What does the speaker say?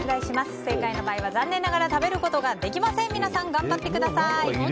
不正解の場合は、残念ながら食べることができませんので皆さん、頑張ってください。